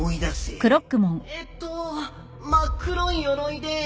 えっと真っ黒いよろいで。